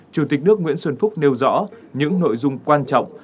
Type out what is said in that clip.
chủ tịch nước nguyễn xuân phúc nêu rõ những nội dung quan trọng